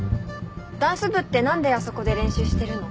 ダンス部ってなんであそこで練習してるの？